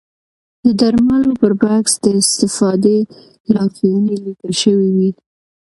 د درملو پر بکس د استفادې لارښوونې لیکل شوې وي.